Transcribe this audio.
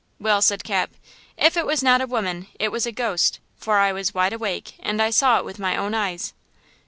"Well," said Cap, "if it was not a woman it was a ghost; for I was wide awake, and I saw it with my own eyes!"